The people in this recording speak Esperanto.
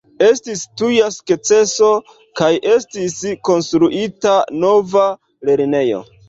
Estis tuja sukceso kaj estis konstruita nova lernejo.